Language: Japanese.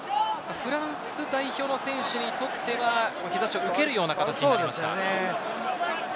フランス代表の選手にとっては日差しを受けるような形なりました。